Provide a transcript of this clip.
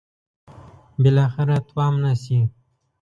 بالاخره تومنه شي.